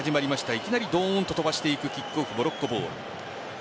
いきなり飛ばしていくキックオフモロッコボール。